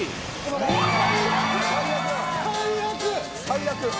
最悪！